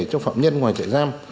cho phẩm nhân ngoài trại giam